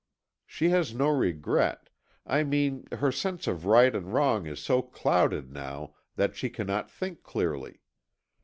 She has no regret—I mean, her sense of right and wrong is so clouded now that she cannot think clearly.